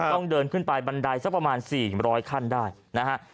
ต้องเดินขึ้นไปบันไดสักประมาณ๔๐๐ขั้นได้นะฮะ